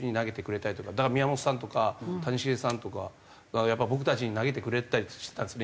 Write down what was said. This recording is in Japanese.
だから宮本さんとか谷繁さんとかが僕たちに投げてくれてたりしてたんです